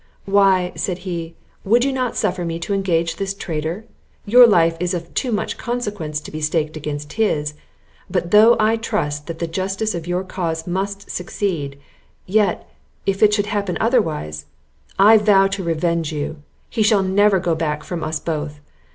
"Why," said he, "would you not suffer me to engage this traitor? Your life is of too much consequence to be staked against his; but though I trust that the justice of your cause must succeed, yet, if it should happen otherwise, I vow to revenge you; he shall never go back from us both.